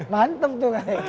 mantep tuh kak